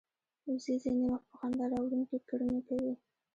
وزې ځینې وخت په خندا راوړونکې کړنې کوي